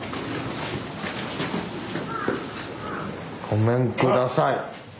ごめんください。